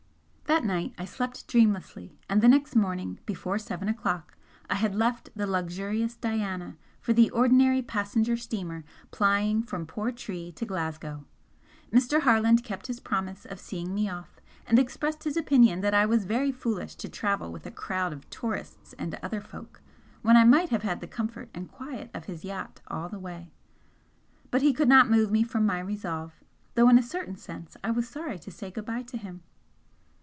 That night I slept dreamlessly, and the next morning before seven o'clock I had left the luxurious 'Diana' for the ordinary passenger steamer plying from Portree to Glasgow. Mr. Harland kept his promise of seeing me off, and expressed his opinion that I was very foolish to travel with a crowd of tourists and other folk, when I might have had the comfort and quiet of his yacht all the way; but he could not move me from my resolve, though in a certain sense I was sorry to say good bye to him.